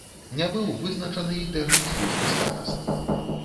Не быў вызначаны і тэрмін службы стараст.